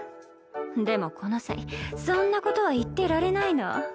でもこの際そんなことは言ってられないの。